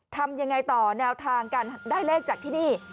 ทำยังไงต่อแนวทางการได้เลขจากที่นี่